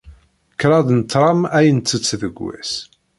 Kraḍt n tram ay nttett deg wass.